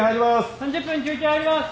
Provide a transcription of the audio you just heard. ３０分休憩入ります！